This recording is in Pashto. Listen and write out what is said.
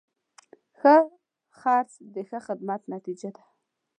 ښه خرڅ د ښه خدمت نتیجه ده.